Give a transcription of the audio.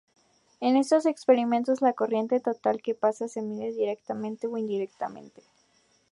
En estos experimentos, la corriente total que pasa se mide directamente o indirectamente.